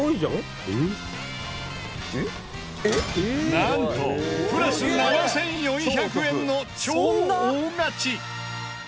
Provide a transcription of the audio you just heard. なんとプラス７４００円の超大勝ち！